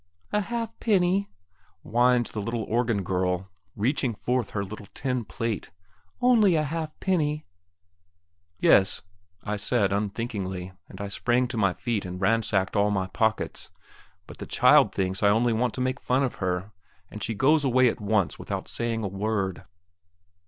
"A halfpenny," whines the little organ girl, reaching forth her little tin plate; "only a halfpenny." "Yes," I said, unthinkingly, and I sprang to my feet and ransacked all my pockets. But the child thinks I only want to make fun of her, and she goes away at once without saying a word.